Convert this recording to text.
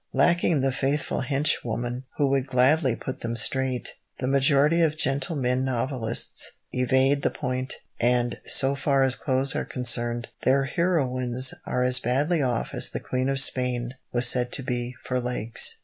Lacking the faithful hench woman who would gladly put them straight, the majority of gentlemen novelists evade the point, and, so far as clothes are concerned, their heroines are as badly off as the Queen of Spain was said to be for legs.